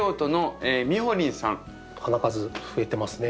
花数増えてますね。